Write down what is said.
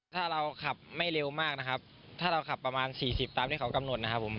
ถ้าเราขับไม่เร็วมากถ้าขับประมาณ๔๐กิโลเมตรตามที่เขากำหนด